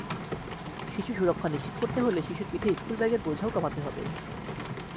শিশু সুরক্ষা নিশ্চিত করতে হলে শিশুর পিঠে স্কুল ব্যাগের বোঝাও কমাতে হবে।